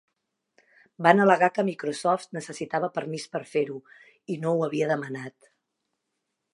Van al·legar que Microsoft necessitava permís per a fer-ho i no ho havia demanat.